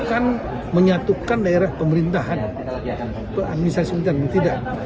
bukan menyatukan daerah pemerintahan ke administrasi militer tidak